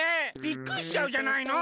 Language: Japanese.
びっくりしちゃうじゃないの！